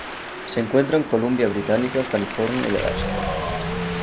Se encuentra en Columbia Británica, California y Alaska.